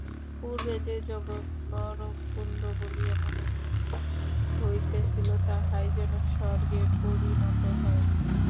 পূর্বে যে জগৎ নরককুণ্ড বলিয়া মনে হইতেছিল, তাহাই যেন স্বর্গে পরিণত হয়।